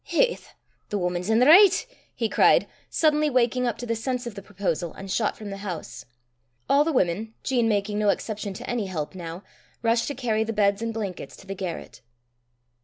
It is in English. "Haith! the wuman's i' the richt," he cried, suddenly waking up to the sense of the proposal, and shot from the house. All the women, Jean making no exception to any help now, rushed to carry the beds and blankets to the garret.